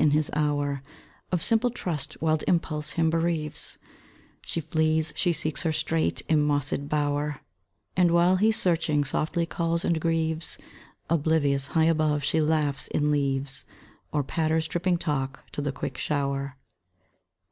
In his hour Of simple trust, wild impulse him bereaves: She flees, she seeks her strait enmossèd bower And while he, searching, softly calls, and grieves, Oblivious, high above she laughs in leaves, Or patters tripping talk to the quick shower.